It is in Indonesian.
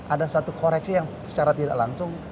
ada satu koreksi yang secara tidak langsung